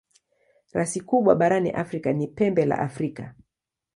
Rasi kubwa barani Afrika ni Pembe la Afrika.